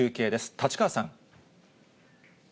立川さん。